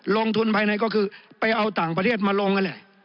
ลงทุนภายในก็คือไปเอาต่างประเทศมาลงนั่นแหละ